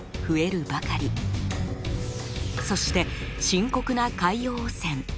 そして深刻な海洋汚染。